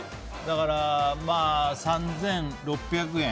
だから、３６００円。